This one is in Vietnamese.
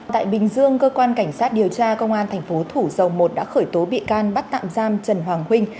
tại bình dương cơ quan cảnh sát điều tra công an thành phố thủ dầu một đã khởi tố bị can bắt tạm giam trần hoàng huynh